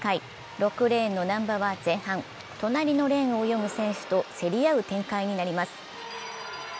６レーンの難波は前半隣のレーンを泳ぐ選手と競り合う展開になります。